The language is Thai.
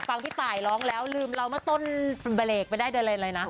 น้องคิดหัวเจ้าหลายป่านใดก็โอ๊ดเอา